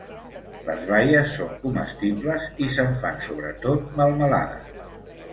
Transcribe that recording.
Les baies són comestibles i se'n fan sobretot melmelades.